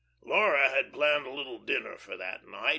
Laura had planned a little dinner for that night.